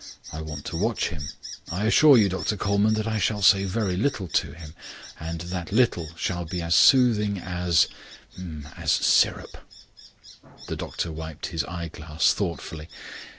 I want to watch him. I assure you, Dr Colman, that I shall say very little to him, and that little shall be as soothing as as syrup." The doctor wiped his eyeglass thoughtfully.